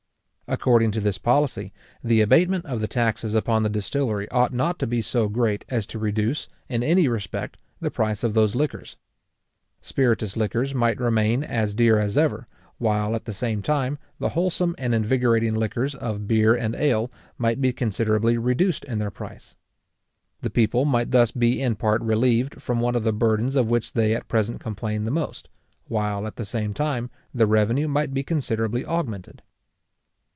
According to this policy, the abatement of the taxes upon the distillery ought not to be so great as to reduce, in any respect, the price of those liquors. Spiritous liquors might remain as dear as ever; while, at the same time, the wholesome and invigorating liquors of beer and ale might be considerably reduced in their price. The people might thus be in part relieved from one of the burdens of which they at present complain the most; while, at the same time, the revenue might be considerably augmented.